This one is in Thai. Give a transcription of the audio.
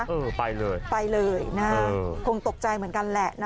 เออไปเลยไปเลยนะฮะคงตกใจเหมือนกันแหละนะ